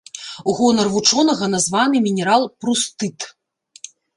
У гонар вучонага названы мінерал прустыт.